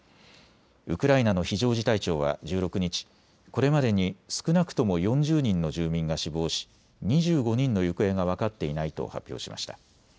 ウクライナの非常事態庁は１６日、これまでに少なくとも４０人の住民が死亡し２５人の行方が分かっていないと発表しました。